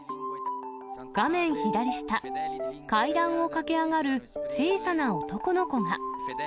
画面左下、階段を駆け上がる小さな男の子が。